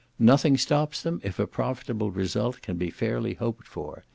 Nothing stops them if a profitable result can be fairly hoped for.